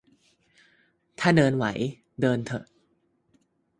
ถ้าเดินไหว เดินเถอะ